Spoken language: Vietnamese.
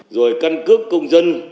rồi cân cước công dân